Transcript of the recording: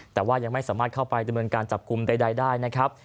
แต่ว่ายังไม่สามารถเข้าไปดำเนินการจับกลุ่มใดได้นะครับ